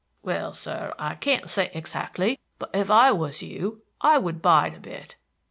"Well, sir, I can't say hexactly; but if I was you I would bide a bit."